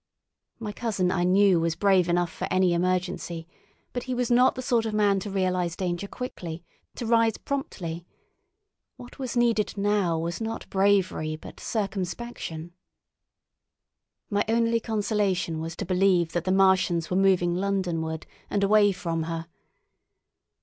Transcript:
My cousin I knew was brave enough for any emergency, but he was not the sort of man to realise danger quickly, to rise promptly. What was needed now was not bravery, but circumspection. My only consolation was to believe that the Martians were moving Londonward and away from her.